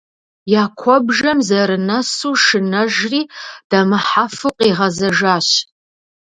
Я куэбжэм зэрынэсу, шынэжри, дэмыхьэфу къигъэзэжащ.